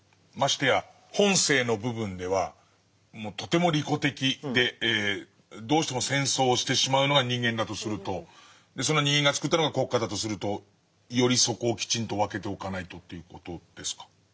ましてや本性の部分ではとても利己的でどうしても戦争をしてしまうのが人間だとするとその人間が作ったのが国家だとするとよりそこをきちんと分けておかないとという事ですか。